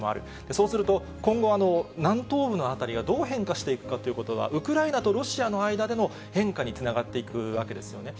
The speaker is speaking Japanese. そうすると、今後、南東部の辺りがどう変化していくかということは、ウクライナとロシアの間での変化につながっていくわけですよね。